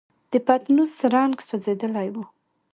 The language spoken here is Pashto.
د پتنوس رنګ سوځېدلی و.